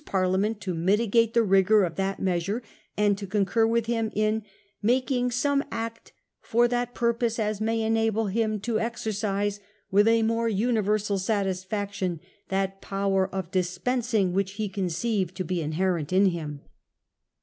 p ar ii ame nt to mitigate the rigour of that measure, and to concur with him ' in making some Act for that purpose, as may enable him to exercise, with a more universal satisfaction, that power of dispensing which he conceived to be inherent in him?